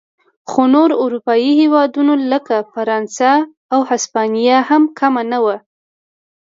خو نور اروپايي هېوادونه لکه فرانسه او هسپانیا هم کم نه و.